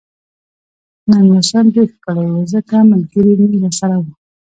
نن موسم ډیر ښکلی وو ځکه ملګري مې راسره وو